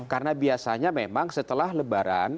karena biasanya memang setelah lebaran